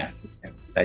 nah jadi saya kira akan